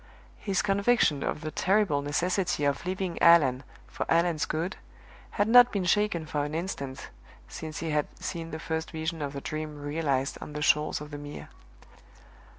His conviction of the terrible necessity of leaving Allan for Allan's good had not been shaken for an instant since he had seen the first Vision of the Dream realized on the shores of the Mere.